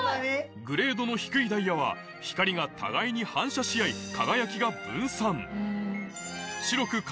グレードの低いダイヤは光が互いに反射し合い